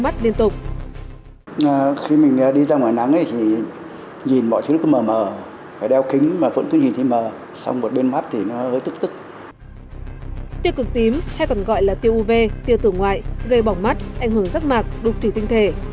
tiêu cực tím hay còn gọi là tiêu uv tiêu tử ngoại gây bỏng mắt ảnh hưởng rắc mạc đục thủy tinh thể